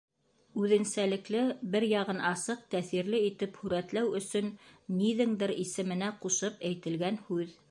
Үҙенсәлекле бер яғын асыҡ, тәьҫирле итеп һүрәтләү өсөн ниҙеңдер исеменә ҡушып әйтелгән һүҙ.